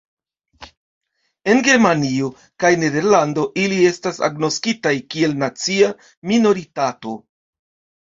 En Germanio kaj Nederlando ili estas agnoskitaj kiel nacia minoritato.